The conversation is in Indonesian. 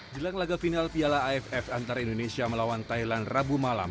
jelang laga final piala aff antara indonesia melawan thailand rabu malam